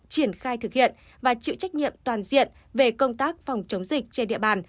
triển khai thực hiện và chịu trách nhiệm toàn diện về công tác phòng chống dịch trên địa bàn